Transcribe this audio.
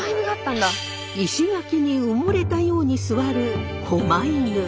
石垣に埋もれたように座る狛犬。